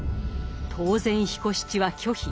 当然彦七は拒否。